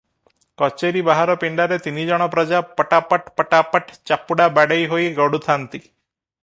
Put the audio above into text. କଚେରି ବାହାର ପିଣ୍ତାରେ ତିନିଜଣ ପ୍ରଜା ପଟାପଟ୍ ପଟାପଟ୍ ଚାପୁଡ଼ା ବାଡ଼େଇ ହୋଇ ଗଡୁଥାନ୍ତି ।